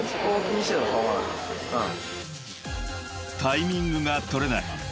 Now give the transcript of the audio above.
［タイミングが取れない］